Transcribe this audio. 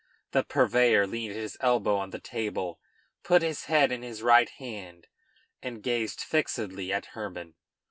The purveyor leaned his elbow on the table, put his head into his right hand and gazed fixedly at Hermann.